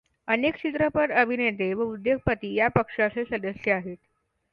अनेक चित्रपट अभिनेते व उद्योगपती या पक्षाचे सदस्य आहेत.